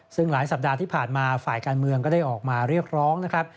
ซึ่งหลายสัปดาห์ที่ผ่านมาฝ่ายการเมืองก็ได้ออกมาเรียกร้องนะครับ